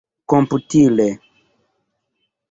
komputile